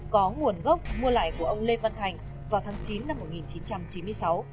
có nguồn gốc mua lại của ông lê văn thành vào tháng chín năm một nghìn chín trăm chín mươi sáu